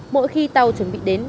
mỗi khi tàu chuẩn bị đến